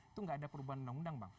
itu nggak ada perubahan undang undang bang